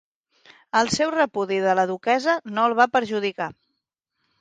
El seu repudi de la duquessa no el va perjudicar.